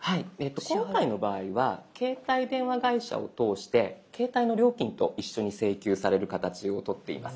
今回の場合は携帯電話会社を通して携帯の料金と一緒に請求される形をとっています。